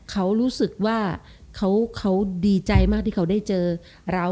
เขารู้สึกว่าเขาดีใจมากที่เขาได้เจอเรา